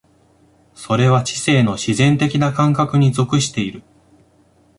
それは知性の自然的な感覚に属している。